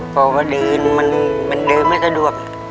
เพราะว่าเดินมันเดินไม่สะดวก